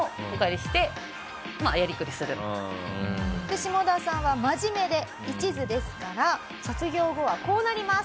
シモダさんは真面目で一途ですから卒業後はこうなります。